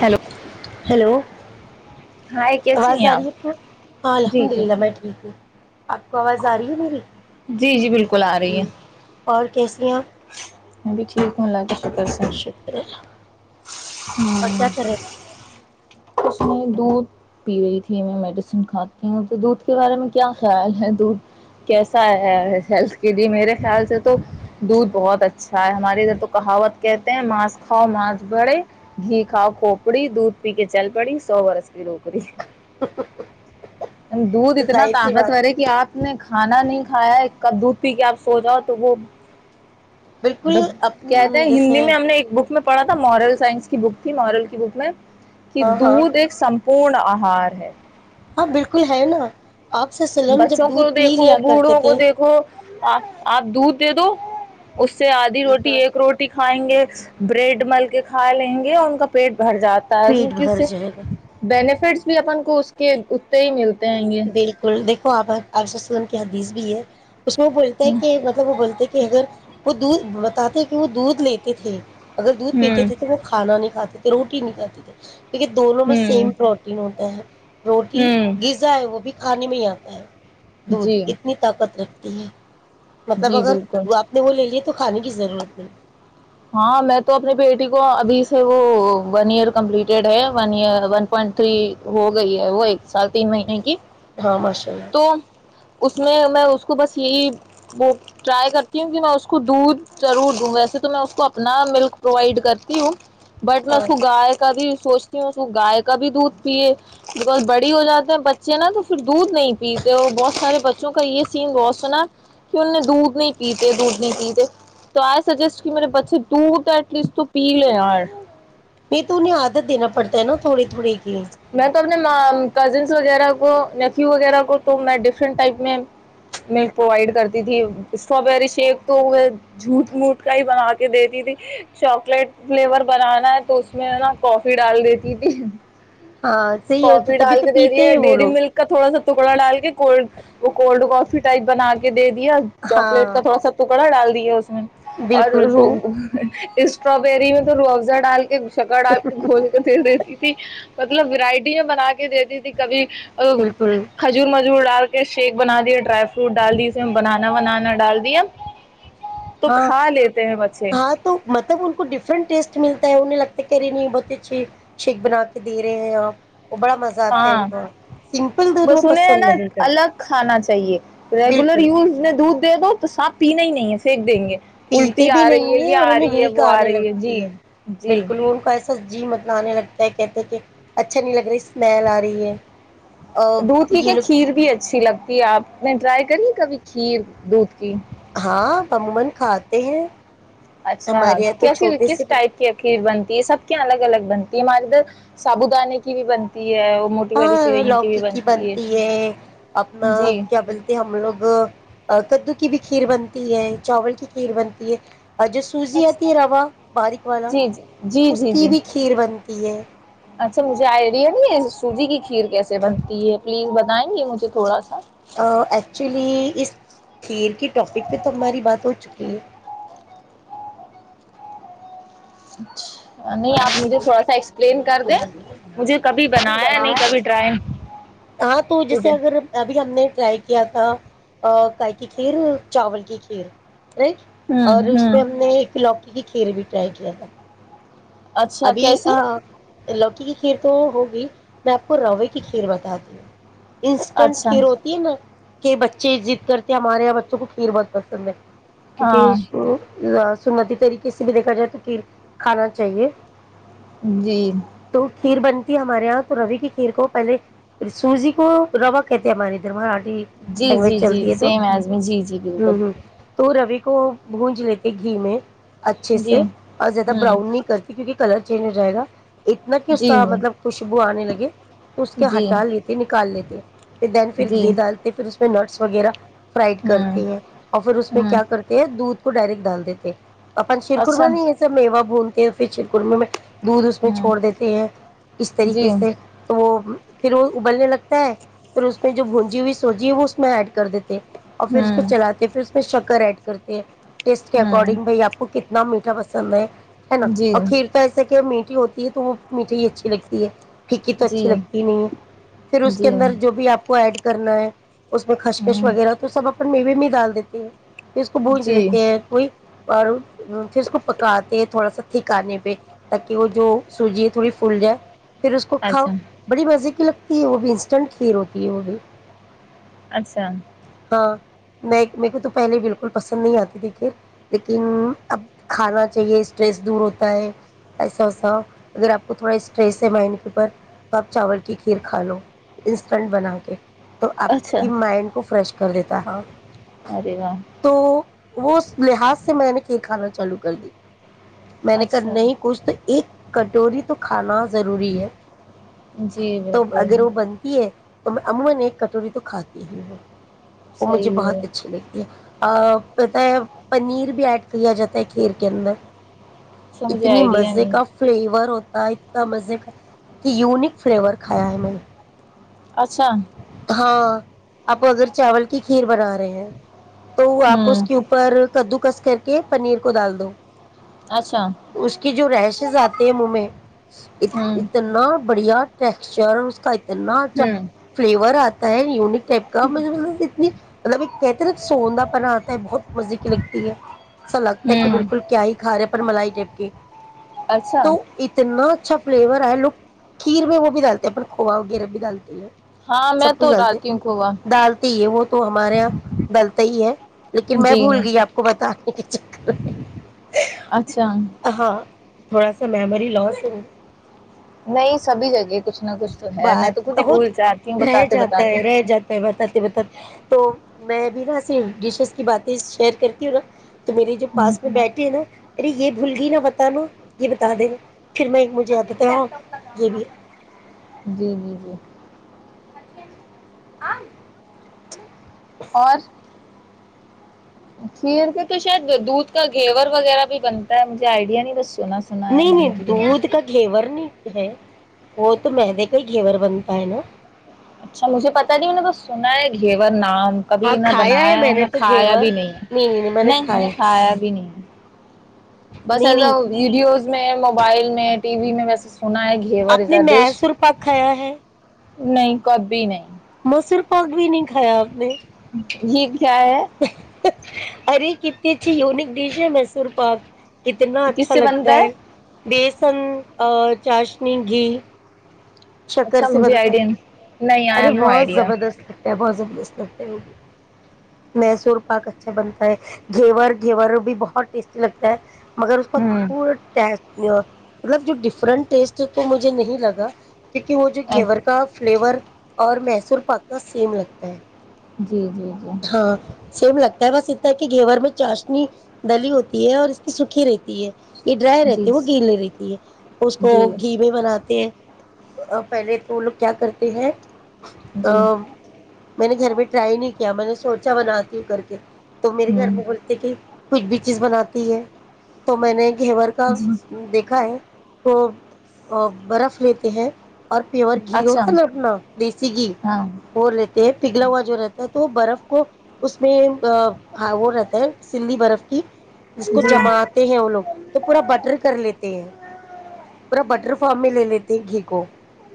hello hello hi کیسی آواز ہیں آ آپ رہی ہے ہاں جی الحمد جی للہ میں ٹھیک ہوں آپ کو آواز آ رہی ہے میری جی جی بالکل آ رہی اور کیسی ہیں آپ ابھی ٹھیک ہوں لگ شک ہے اور ہوں کیا کر رہے تھے میں دودھ پی رہی تھی میں میڈیسن کھاتی ہوں تو دودھ کے بارے میں کیا خیال ہے دودھ کیسا ہے ہیلتھ کے لیے میرے خیال سے تو تو دودھ بہت اچھا ہے ہماریے ادھر تو کہاوت کہتے ہیں ماس کھاؤ ماس بھرے گھی کھاؤ کھوپڑی دودھ پی کے چل پڑی سوورس نوکری دودھ تو اتنا ظاہر سی بات طاقتور ہے کہ آپ نے کھانا نہیں کھایا ک دودھ پی کے آپ سو جاؤ تو وہ بالکل جب اپ کہتے ہیں ہندی جیسے میں ہم نے ایک بک میں پڑھا تھا مورل سائنس کی بک تھی مورل کی بک میں کہ ہاں ہاں دودھ ایک س پورن آہار ہے ہاں بالکل ہے نا آپ سے سلم جب بچوں کو دودھ پی دیکھو لیا کرتے بوڑھوں کو تھے دیکھو آ آ دودھ دے دو اس سے آدھی روٹی ایک روٹی کھائیں گے بریڈ مل کے کھا لیں گے اور ان کا پیٹ بھر جاتا ہے پیٹ کیکہ بھر اسے جائے گا بینیفٹس بھی اپن کو اس کے اتے ہی ملتا بالکل دیک آ ار سن کی حدیث بھی ہے اس میں وہ بولتا ہے کہ مطلب وہ بولتا ہے کہ اگر وہ دھ ب تھے کہ وہ دودھ لیتے تھے اگر دودھ پیتے ہوں تھے تو وہ کھانا نہیں کاتے تھے روٹی نہیں کاتی کیہ دونوں میں ہوں سیم پروٹین ہوتا ہے روٹی ہوں غذا ہے وہ بھی کھانے میں ہی آتا ہے دودھ جی اتنی طاقت رکھتی ت ہے مطلب جی اگر بالکل وہ آپ نے وہ لے لیی تو کھانے کی ضرورت نہیں ہاں میں تو اپنے بیٹی کو ابھی سے وہ ون ایئر کمپلیٹیڈ ہےن ایر ون پوائنٹ تھری ہو گئی ہے وہ ایک سال تین مہینے کی ہ اھ میں تو اس میں میں اس کو بس یہی وہ ٹرائی کرتی ہوں کہ میں اس کو دودھ ضرور دوں ویسے تو میں اس کو اپنا ملک پرووائڈ کرتی ہوں بٹ ل ہاں سو گائےک تھی سوچتی ہوں اس کو گائے کا بھی دودھ پیے بکز بڑی ہو جاتے ہیں بچے نا تو پھر دودھ نہیں پیتے اور بہت سارے بچوں کا یہ سین بہت سنا کہ ان نے دودھ نہیں پیتے دودھ نہیں پیتے تو آئی سجسٹ کہ میرے بچے دودھ ایٹ لیسٹ تو پی لے ی نہیں تو انہیں عادت دینا پڑتا ہے نا تھوڑی تھوڑی الا [inaudible] میں تو اپنے کزنس وغیرہ کو نیفیو وغیرہ کو تو میں ڈفرنٹ ٹائپ میں ملک پرووائڈ کرتی تھی اسٹرابری شیک تو وہ جھوٹ موٹ کا ہی بنا کے دیتی تھی چاکلیٹ فلیور بنانا ہے تو اس میں نا کافی ڈال دیتی تھی ہاں صحیح ہے تو کافی تبھی ڈال تو کے دے پیتے دیا ہیں وہ ڈیری لوگ ملک کا تھوڑا سا ٹکڑا ڈال کے کوڈ وہ کولڈ کافی ٹائپ بنا کے دے دیا چاکلیٹ کا ہاں تھوڑا سا ٹکڑا ڈال دیا ج [inaudible] اور بالکل تو ر اسٹروابری میں تو رو افزا ڈال کے سگا ڈال کے گھول کر دے دیتی تھی وورائٹں بنا کے دیتی تھی کبھی بالکل کھجور م ڈال کے شیک بنا دییا ڈرائی فروٹ ڈال دی اس میں بنانا ونانا ڈال دیا تو ہاں کھا لیتے ہیں بچے ہاں تو مطلب ان کو ڈفرنٹ ٹیسٹ ملتا ہے انہیں لگتا کہ رہی نہیں بہت اچھی شیک بنا کے دے رہے ہیں آپ وہ بڑا مزہ آتا ہے ان ہاں کو سمپل دودھ وہ بس انہیں ہے پسند نا نہیں کرتے الگ کھانا چاہیے ریگولر بالکل یوز دودھ وہ صاب پینا ہی نہیں ہے پنک دیں گے الٹی پیتے بھی آ رہی ہے نہیں ہیں یہ اور آ انہیں رہی ہے نک وہ آ آنے رہی لگتی جی ہے جی بالکل وہ ان کا ایسا جی مطلب آنے لگتا ہے کہتے ہیں کہ اچھا نہیں لگ رہا اسمیل آ رہی ہے اور دھود ہی یہ کہیا لوگ کھیر بھی اچھی لگتی آپ نے ٹرائی کری کبھی کھیر دودھ کی ہاں عمومان کھاتے ہیں اچھا ہمارے یہاں تو کیسی چھوٹے کس سے ٹائپ کی اخییر بنتی ہے سب کے الگ الگ بنتی ہے ہمارے ادھر سابو دانے کی بھی بنتی ہے اور موٹی والی ہاں سوئیوں کی بھی لوککی بنتی ہے اپنا جی کیا بولتے ہم لوگ کدو کی بھی کھیر بنتی ہے چاول کی کھیر بنتی ہے اور جو اچھا سوزییاتی روا باریک والا جی جی جی اس جی کی جی بھی کھیر بنتی ہے اچھا مجھے آئیڈیا نہیں ہے سوجی کی کھیر کیسے بنتی ہے پلیز بتائیں گے مجھے تھوڑا سا ایکچولی اس کھیر کی ٹاپک پہ تو ہماری بات ہو چکی ہے جچ [inaudible] نہیں آپ مجھے تھوڑا سا ایکسپلین کر دیں مجھے کبھی بنایا نہیں کبھی ڈرای ہاں تو جیسے اگر ابھی ہم نے ٹرائی کیا تھا کائی کی کھیر چاول کی کھیر رائٹ اور ہ اس پہ ہم نے ایک ل اس کھیل بھی ٹرائی کیا تھا اچھا ابھی کیسے ہاں لوکی کی کھیر تو ہوگی میں آپ کو روے کی کھیر بتا دی ہوں انسٹنٹ اچھا کھیر ہوتی ہے نا کہ بچے ضد کرتے ہیں ہمارے بچوں کو کھیر بہت پسند ہے کہویکہ ہاں اشو لسٹ سنتی طریقے سے بھی دیکھا جائے تو کھیر کھانا چاہیے جی تو کھیر بنتی ہے ہمارے یہاں تو روی کی کھیر کو پہلے سوجی کو روا کہتے ہیں ہمارے ادھر مارا جی جی جی سیم ایجمی جی جی بالکل ہوں ہوں تو روی کو بونج لیتے گھی میں اچھے جی سے اور زیادہ ہ براؤن نہیں کرتے کیکہ کلر چینج ہو جائے گا اتنا کہ اس جی کا مطلب خوشبو آنے لگی [unintelligible] اس کے جی جی ہٹا لیتے نکال لیتے پھر دین پھر جی گھی ڈالتے پھر نٹس وغیرہ فرائڈ ہ کرتے ہیں اور پھر اس میں ہ کیا کرتے ہیں دودھ کو ڈائریکٹ دان دیتے ہیں اپن شیرخور اچھا میں نہیں یہ میو بول کے فچر کررمی میں دودھ اس میں ہ چھوڑ دیتے ہیں اس طریقے جی سے تو وہ پھر وہ ابلنے لگتا ہے پھر اس میں جو بونجی ہوئی سوجی وہ اس میں ایڈ کر دیتے اور پھر اس کو ہ چلاتے پھر اس میں شک کر ایڈ کرتی ہے ٹیسٹ ہ کےکارڈنگ بھائیپ کو کتنا ن میٹھا پسند ہے ہے نا جی اور کھیر تو ایسے کہ میٹ م ہوتی ہے تو وہ میٹھھی ہی اچھی لگتی ہے پھکی تو اچھی جی لگتی ہی نہیں ہے پھر اس کے جی اندر جو بھی آپ کو ایڈ کرنا ہے اس میں کچ کش ہاں وغیرہ تو سب اپ میل میں ڈال دیتی ہے اس کو بونج جی دیتے ہیں کوئی اور پھر اس کو پکاتے تھوڑا سا ٹھکانے پہ تاکہ وہ جو سوجی ہے تھوڑی فول جائے پھر اس کو کھاؤ اچھا بڑی مزے لگتی ہے وہ بھی انسٹنٹ کیر ہوتی ہے وہ بھی اچھا ہاں میں میر کو تو پہلے بالکل پسند نہیں آتی کھیر لیکن اب کھانا چاہیے اسٹریس دور ہوتا ہے ایسا وسا اگر آپ کو تھوڑا اسٹریس ہے مائنڈ کے اوپر تو آپ چاول کی کھیر کھا لو انسٹنٹ بنا کے تو آپ اچھا کی مائنڈ کو فریش کر دیتا ہ ارے واہ وہ اس لحاظ سے میں نے کھیر کھانا چالو کر دی میں نے کہ اچھا نہیں کچھ تو ایک کٹوری تو کھانا ضروری ہے جی تو بالکل اگر وہ بنتی ہے تو میں عمومن ایک کٹوری تو کھاتی ہی ہو وہ مجھے صحیح ہے بہت اس اچھی لگتی ہے پتا ہے پنیر بھی ایڈ کیا جاتا ہے کھییر کے اندر کا مجھے اتنی آئیڈیا مزے نہیں کا فلیور ہوتا اتنا مزے کا یونک فلیور کھایا ہے میں نے اچھا ہاں آپ اگر چاول کی کھیر بنا رہے ہیں تو آپ اس ہوں کے اوپر کدو کس کر کے پنیر کو ڈال دو اچھا اس کی جو رہشز آتے ہیں منہ میں ہوں اتنا بڑھیا ٹیکسچر اتنا اچھا ہوں فلیور آتا ہے یونک کا مجھے ب اتنی [unintelligible] مطلب کتنے سوندا پن آتا ہے بہت مزے کی لگتی ہے ایسا لگتا ہے کہ ہوں بالکل کیا ہی کھا رہے پر ملائی ٹپ کےی اچھا تو اتنا اچھا فلیور ہے لوگ کھیر میں وہ بھی ڈالتے ہیں اپ کوا وغیرہ بھی ڈالتی ہے ہاں میں سب کچھ تو ڈلتے ڈالتی ہوں کھووا ڈالتے ہی ہے وہ تو ہمارے یہاں ڈلتا ہی ہے لیکن میں جی بھول گئی آپ کو بتے [inaudible] اچھا تھوڑا سا میمری لاس ہے گ نہیں سبھی جگہ کچھ نہ کچھ تو ہے میں بات تو خود ہی ب بھول جاتی ہوں رہ بتاتے جاتا بتاتے ہے رہ جاتا ہے بتاتے بتاتے تو میں بھی نا ای ڈشز کی باتیں شیئر کرتی ہوں نا تو میرے جو ہ پاس میں بیٹھے ہیں نا ارے یہ بھول گئی نا بتانا یہ بتا دینا پھر میں مجھے آتا تھا ہاں یہ بھی جی جی جی خال آم اور کھیر کے تو شاید دودھ کا گھیور وغیرہ بھی بنتا ہے مجھے آئیڈیا نہیں بس سنا سنا ہے نہیں میں نے نہیں گھیور دودھ کا گھیور نہیں ہے وہ تو مدے کا ہی گھیور بنتا ہے نا اچھا مجھے پتا نہیں میں نے تو سنا ہے گھیور نام ہاں کبھی کھایا ہے میں نے بنایا تو کھایا گھیور بھی نہیں ہے نہیں میں نے کھایا بھی نہیں ہے بس نہیں نہیں ایسا ویڈیوز میں موبائل میں ٹی وی میں ویسا اپ نے م سر پایا ہے نہیں کبھی نہیں مسر پاگ بھی نہیں کھایا آپ نے ج [inaudible] چائے ارے کتتیچ یونک ڈش ہے مسور پاک کتنا کس اچھا سے لگتا بنتا ہے بیس پسن چاشنی گھی شکر اچھا سے مجھے بنتا ہے آئیڈیا نہیں آئی ارے ہیو نو بہت آئیڈیا زبردست لگتا ہے بہت زبر میسور پاک اچھا بنتا ہے گھیور گھیور بھی بہت ٹیسٹی لگتا ہے مگر اس کا ہوں پورا ٹ مطلب جو ڈفرنٹ ٹیسٹ ہے تو مجھے نہیں لگا کیونکہ وہ جو گھیور کا فلیور اور میسور پکنا سیم لگتا ہے جی جی جی ہاں سیم لگتا ہے بس اتنا کہ گھیور میں چاشنی دلی ہوتی ہے اور اس کی سوکھی رہتی ہے یہ ڈرائی جی رہتی ہے وہ گھی لے رہتی ہے اس کو جی جی گھی میں بناتے ہیں پہلے تو وہ لوگ کیا کرتے ہیں جی ا میں نے گھر میں ٹرائی نہیں کیا میں نے سوچا بناتی ہوں کر کے تو میرے گھر ہوں میں بولتی کہ کچھ بھی چیز بناتی ہے تو میں نے گھیور کا جی دیکھا ہے کو برف لیتے ہیں اور پیور گھی اچھا ہوتا لٹنا سگ ہاں وہ رہتے ہے پگھلا ہوا جو رہتا ہے تو برف کو اس میں وہ رہتا ہے سللی برف کی ج کو جی جماتے ہیں وہ لوگ تو پورا بٹر کر لیتے ہیں پورا بٹر ف میں لے لیتی گھی کو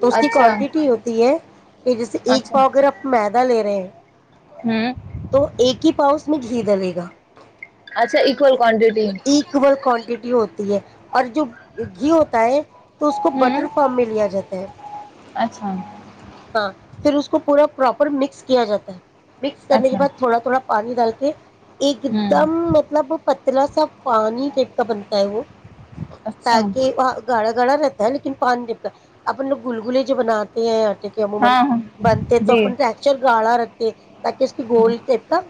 تو اس کی اچھا کوانٹیٹی ہوتی ہے کہ جیسے ایک اچھا پاؤ اگرپ فائدہ لے رہے ہیں ہوں تو ایک ہی پؤس اس میں گھی ڈلے گا اچھا ایککول اکول کوانٹٹی ہوتی ہے اور جو گھی ہوتا ہے تو اس کو بٹر ہوں فارم میں لیا جاتا ہے اچھا ہاں پھر اس کو پورا پراپر مکس کیا جاتا ہے مکس کر اچھا کےعد ہوں تھوڑا تھوڑا پانی ڈال کے ایک دم مطلب اترا سا پانی ٹ کا بنتا ہے وہ اچھا تاکہ وہ گڑ گڑا رہتا ہے لیکن پانی جب اپن لوگ گل گلے جو بناتے ہیں کہ عمومان ہاں ہاں بنتے تو جی اپنا فریکچر گالا رکھ جٹ تاکہ اس کی گول کے کا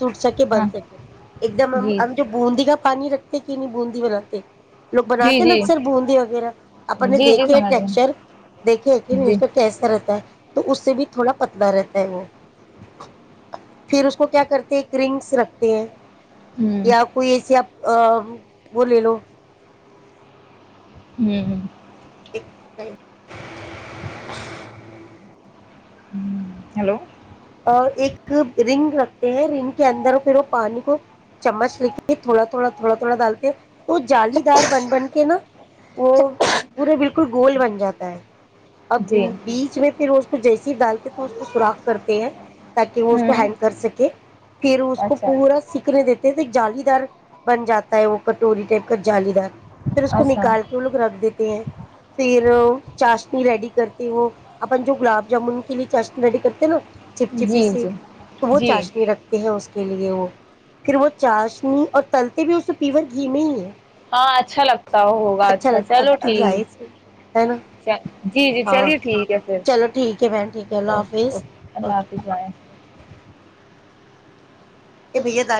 ٹوٹ سک بن ہاں سکے ایک دم ہم جی جی ہم جو بوندی کا پانی رکھ کی نہیں بوی و لاتات لوگ جی بناتے ہیں نا اکثر بوندی وغیرہ اپن نے جی جی دیکھے ٹیکسچر سمجھ دیکے کہ گئے جی اس کیس ہے تو اس سے بھی تھوڑا پتلا رہتا ہے وہ پھر اس کو کیا کرتے ہیں ایک رنگس رکھتے ہیں ہوں یا کوئی ایسی آ ا بلی لو ہوں ہ ایک ہیلو اور ایک رنگ رکھتے ہیں رنگ کے اندر پھر وہ پانی کو چمچ رکھ کے تھوڑا تھوڑا تھوڑا تھوڑا ڈالتے ہیں تو جالی دار بن بن کے نا وہ پورے بالکل گول بن جاتا ہے اب جی بیچ میں پھر تو جیسے ہی ڈالتے تو اس کو سوراخ کرتے ہیں تاکہ وہ اس کو ہوں ہین کر سکے کہ پھر اس کو اچھا پورا سیککھنے دیتے جالیدار بن جاتا ہے وہ کٹوری ٹائپ کا جالیدار پھر اس کو اچھا نکال کے وہ لوگ رکھ دیتے ہیں پھر چاشنی ریڈی کرتے وہ اپن جو گلاب جامن کے لیے چاشنی ریڈی کرتے ہیں نا چپ چپی جی سی جی تو وہ جی چاشنی رکھتی ہے اس کے لیے وہ پھر وہ چاشنی اور تلتے بھی اسے پیور گھیم ہی ہے ہاں اچھا لگتا ہو ہوگا اچھا لگ اب چلو اب ظاہر سے ہے نا ٹھیک جی جی ہاں چلیے ٹھیک ہے پھر چلو ٹھیک ہے بہن ٹھیک ہے اللہ اوکے حافظ اوکے اللہ اوکے حافظائ یہ بھیا دادی